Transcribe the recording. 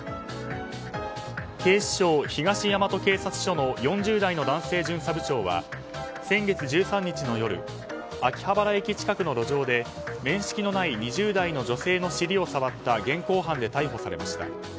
警視庁東大和警察署の４０代の男性巡査部長は先月１３日の夜秋葉原駅近くの路上で面識のない２０代の女性の尻を触った現行犯で逮捕されました。